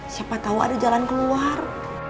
siapa tahu ada jalan keluar